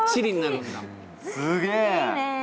すげえ！